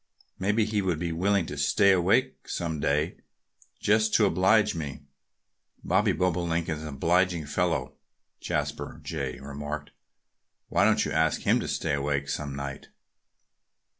Maybe he would be willing to stay awake some day, just to oblige me." "Bobby Bobolink is an obliging fellow," Jasper Jay remarked. "Why don't you ask him to stay awake some night?"